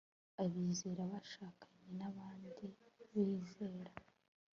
abizera bashakanye n'abandi bizera